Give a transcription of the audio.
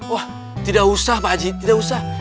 wah tidak usah pak haji tidak usah